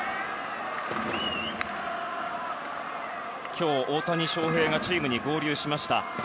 今日、大谷翔平がチームに合流しました。